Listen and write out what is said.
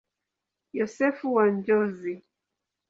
Yosefu wa Njozi.